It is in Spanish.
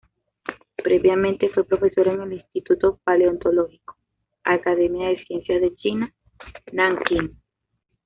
Previamente fue profesor en el Instituto Paleontológico, Academia de Ciencias de China, Nankín.